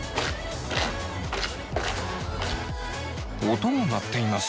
音が鳴っています。